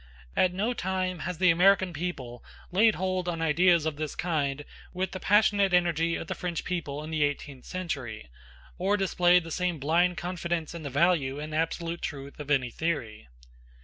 At no time has the American people laid hold on ideas of this kind with the passionate energy of the French people in the eighteenth century, or displayed the same blind confidence in the value and absolute truth of any theory.